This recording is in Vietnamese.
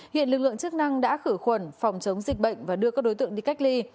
hiện lực lượng chức năng đã khử khuẩn phòng chống dịch bệnh và đưa các đối tượng đi cách ly